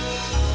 aku mau ke rumah